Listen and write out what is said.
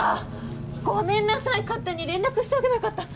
ごめんなさい勝手に連絡しておけばよかった。